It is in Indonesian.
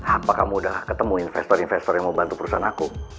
apa kamu udah ketemu investor investor yang mau bantu perusahaan aku